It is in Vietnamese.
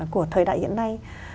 của thời đại hiện nay